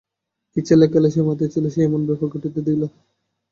কী ছেলেখেলায় সে মাতিয়াছিল যে এমন ব্যাপার ঘটিতে দিল!